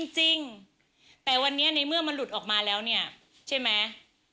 จริงแต่วันนี้ในเมื่อมันหลุดออกมาแล้วเนี่ยใช่ไหม